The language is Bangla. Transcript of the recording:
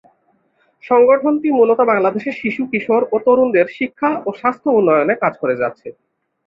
সংগঠনটি মূলত বাংলাদেশের শিশু, কিশোর ও তরুণদের শিক্ষা ও স্বাস্থ্য উন্নয়নে কাজ করে যাচ্ছে।